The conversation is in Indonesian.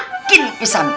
teh yakin bisa